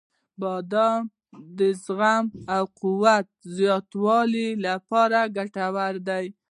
• بادام د زغم او قوت د زیاتولو لپاره ګټور دی.